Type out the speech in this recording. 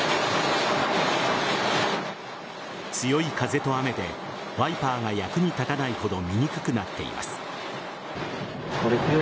強い風と雨でワイパーが役に立たないほど見にくくなっています。